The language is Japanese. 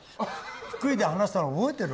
福井で話したの覚えてる？